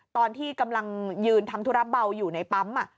ตอนที่กำลังยืนทำธุระเบาอยู่ในปั๊ม